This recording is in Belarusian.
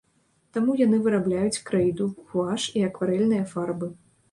Таму яны вырабляюць крэйду, гуаш і акварэльныя фарбы.